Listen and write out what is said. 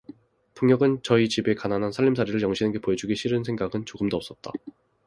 동혁은 저의 집의 가난한 살림살이를 영신에게 보여 주기가 싫은 생각은 조금도 없었다.